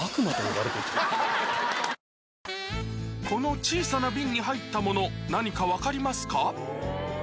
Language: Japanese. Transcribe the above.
この小さな瓶に入ったもの何か分かりますか？